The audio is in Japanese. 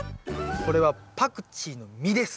これはパクチーの実です。